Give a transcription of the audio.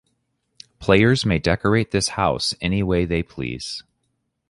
Players may decorate this house anyway they please.